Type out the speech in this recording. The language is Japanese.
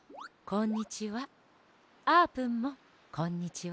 こんにちは。